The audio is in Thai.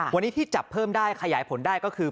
วันนี้ที่จับเพิ่มได้ขยายผลได้ก็คือ